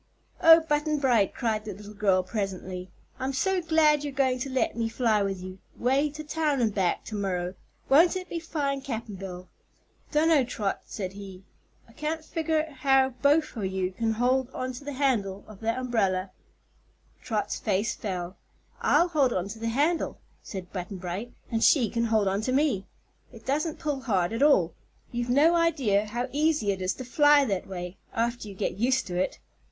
"Oh, Button Bright!" cried the little girl, presently; "I'm so glad you're going to let me fly with you way to town and back to morrow. Won't it be fine, Cap'n Bill?" "Dunno, Trot," said he. "I can't figger how both o' you can hold on to the handle o' that umbrel." Trot's face fell. "I'll hold on to the handle," said Button Bright, "and she can hold on to me. It doesn't pull hard at all. You've no idea how easy it is to fly that way after you get used to it."